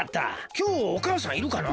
きょうおかあさんいるかな？